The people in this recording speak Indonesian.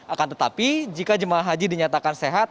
akan tetapi jika jemaah haji dinyatakan sehat